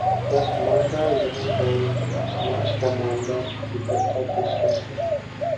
پس ماندہ ذہن اور سماج کا معاملہ البتہ دوسرا ہے۔